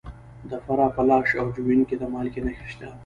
د فراه په لاش او جوین کې د مالګې نښې شته.